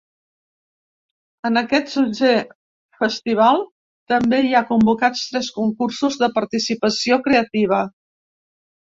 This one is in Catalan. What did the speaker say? En aquest dotzè festival també hi ha convocats tres concursos de participació creativa.